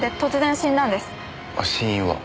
死因は？